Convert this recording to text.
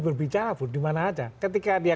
berbicara pun dimana aja ketika dia